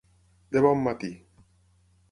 De bon matí.